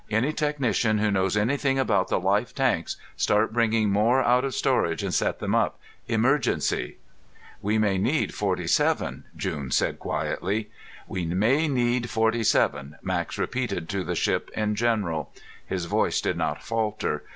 Any technician who knows anything about the life tanks, start bringing more out of storage and set them up. Emergency." "We may need forty seven," June said quietly. "We may need forty seven," Max repeated to the ship in general. His voice did not falter.